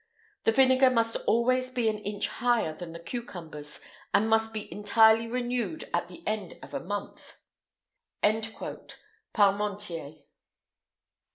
The vinegar must always be an inch higher than the cucumbers, and must be entirely renewed at the end of a month." PARMENTIER.